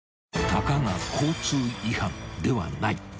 ［「たかが交通違反」ではない］